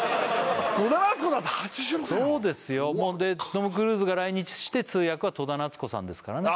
トム・クルーズが来日して通訳は戸田奈津子さんですからね